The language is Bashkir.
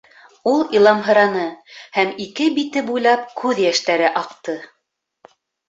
Ул иламһыраны һәм ике бите буйлап күҙ йәштәре аҡты.